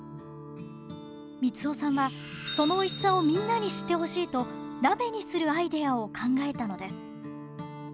光男さんはそのおいしさをみんなに知ってほしいと鍋にするアイデアを考えたのです。